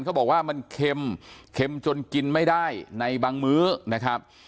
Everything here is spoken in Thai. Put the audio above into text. เขาบอกว่ามันเค็มจนกินไม่ได้ในบางมื้อนะครับ